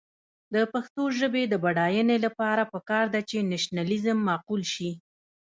د پښتو ژبې د بډاینې لپاره پکار ده چې نیشنلېزم معقول شي.